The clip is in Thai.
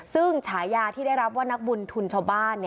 ซึ่งฉายาที่ได้รับว่านักบุญทุนชาวบ้าน